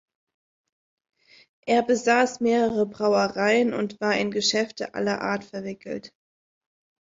Er besaß mehrere Brauereien und war in Geschäfte aller Art verwickelt.